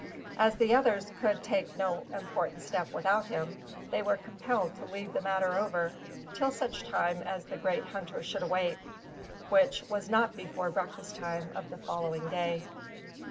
As the others could take no important step without him, they were compelled to leave the matter over, till such time as the great hunter should awake, which was not before breakfast time of the following day.